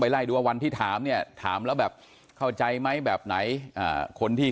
ไล่ดูว่าวันที่ถามเนี่ยถามแล้วแบบเข้าใจไหมแบบไหนคนที่